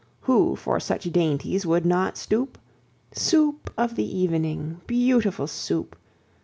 Who for such dainties would not stoop? Soup of the evening, beautiful Soup!